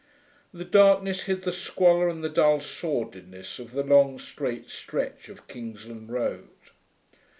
The darkness hid the squalor and the dull sordidness of the long straight stretch of Kingsland Road.